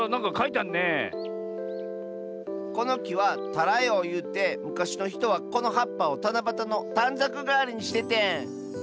このきは「タラヨウ」ゆうてむかしのひとはこのはっぱをたなばたのたんざくがわりにしててん。